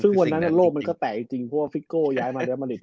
ซึ่งวันนั้นโลกมันก็แตกจริงจริงเพราะว่าย้ายมาเรียลมาตรวิน